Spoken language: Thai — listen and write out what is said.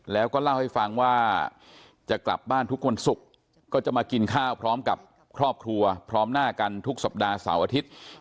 แล้วก็เล่าให้ฟังว่าจะกลับบ้านทุกวันศุกร์ก็จะมากินข้าวพร้อมกับครอบครัวพร้อมหน้ากันทุกสัปดาห์เสาร์อาทิตย์